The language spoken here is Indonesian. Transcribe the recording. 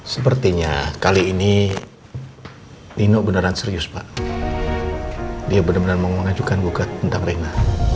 sepertinya kali ini ini beneran serius pak dia beneran mengajukan buka tentang rina